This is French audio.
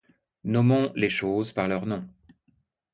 Nommons les choses par leur nom.